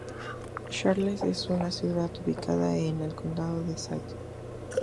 Charles es una ciudad ubicada en el condado de St.